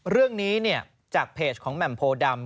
เรื่องนี้จากเพจของแหม่มโพดำ